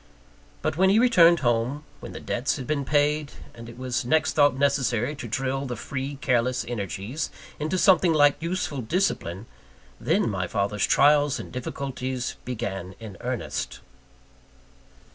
But when he returned home when the debts had been paid, and it was next thought necessary to drill the free, careless energies into something like useful discipline then my father's trials and difficulties began in earnest.